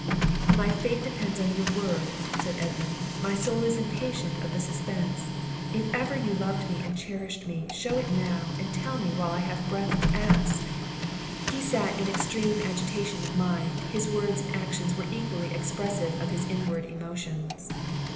"My fate depends upon your words," said Edmund; "my soul is impatient of the suspense! If ever you loved me and cherished me, shew it now, and tell while I have breath to ask it." He sat in extreme agitation of mind; his words and actions were equally expressive of his inward emotions.